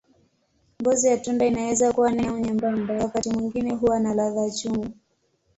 Ngozi ya tunda inaweza kuwa nene au nyembamba, wakati mwingine huwa na ladha chungu.